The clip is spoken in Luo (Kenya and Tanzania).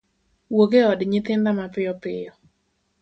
wuog e od nyithinda mapiyo piyo.